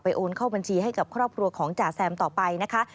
โอนเข้าบัญชีให้กับครอบครัวของจ่าแซมต่อไปนะคะ